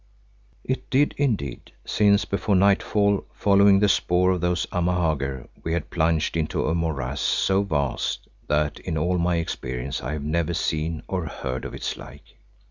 It did indeed, since before nightfall, following the spoor of those Amahagger, we had plunged into a morass so vast that in all my experience I have never seen or heard of its like.